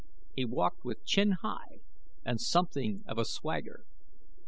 He walked with chin high and something of a swagger.